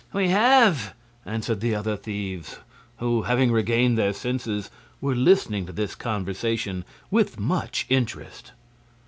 "We have!" answered the other thieves, who, having regained their senses, were listening to this conversation with much interest.